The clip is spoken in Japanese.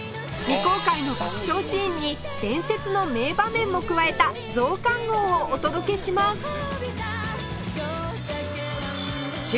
未公開の爆笑シーンに伝説の名場面も加えた増刊号をお届けします